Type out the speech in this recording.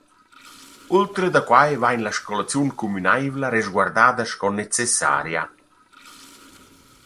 Ultra da quai vain la scolaziun cumünaivla resguardada sco necessaria.